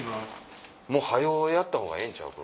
もう早うやったほうがええんちゃう？